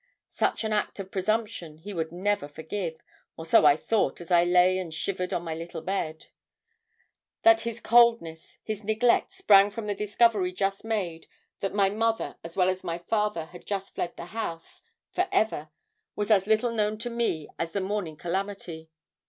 Such an act of presumption he would never forgive, or so I thought as I lay and shivered in my little bed. That his coldness, his neglect, sprang from the discovery just made that my mother as well as my father had just fled the house forever was as little known to me as the morning calamity.